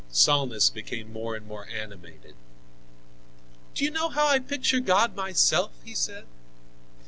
Salnis became more and more animated. "Do you know how I picture God myself?" he said.